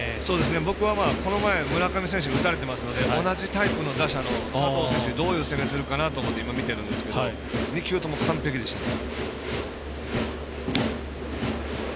僕は、この前村上選手に打たれてますので同じタイプの打者の佐藤選手にどういう攻めするかと今、見てるんですけど２球とも完璧でしたね。